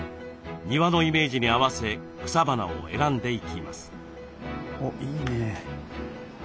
庭のイメージに合わせ草花を選んでいきます。